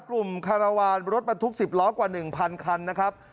กลุ่มคาราวานรถบรรทุก๑๐ล้อกว่า๑๐๐คันนะครับ